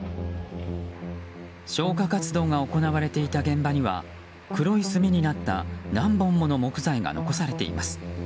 消火活動が行われていた現場には黒い炭になった何本もの木材が残されています。